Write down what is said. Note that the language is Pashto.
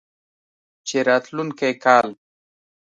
چې راتلونکی کال